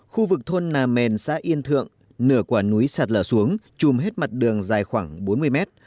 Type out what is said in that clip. khu vực thôn nà mèn xã yên thượng nửa quả núi sạt lở xuống chùm hết mặt đường dài khoảng bốn mươi mét